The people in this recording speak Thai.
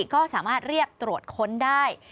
ก็สามารถเรียกตรวจค้นได้